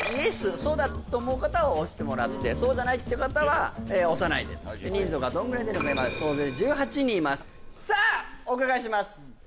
そうだと思う方は押してもらってそうじゃないっていう方は押さないで人数がどんぐらい出るか今総勢１８人いますさあお伺いします